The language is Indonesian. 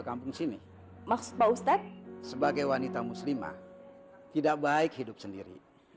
kampung sini maksud pak ustadz sebagai wanita muslimah tidak baik hidup sendiri